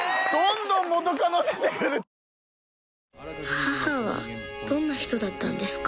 母はどんな人だったんですか？